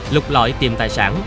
lục lọi tìm tài sản